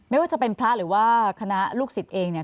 ไม่ว่าจะเป็นพระหรือว่าคณะลูกศิษย์เองเนี่ย